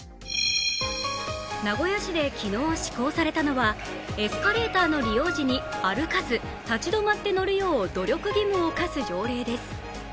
名古屋市で昨日施行されたのはエスカレーターの利用時に歩かず、立ち止まって乗るよう努力義務を課す条例です。